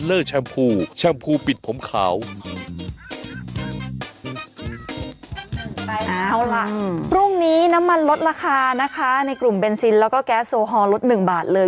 เอาล่ะพรุ่งนี้น้ำมันลดราคานะคะในกลุ่มเบนซินแล้วก็แก๊สโซฮอลลดหนึ่งบาทเลย